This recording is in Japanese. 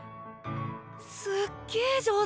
すっげえ上手！